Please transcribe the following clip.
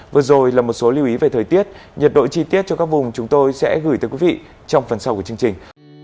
vừa rồi là một số lưu ý về thời tiết nhiệt độ chi tiết cho các vùng chúng tôi sẽ gửi tới quý vị trong phần sau của chương trình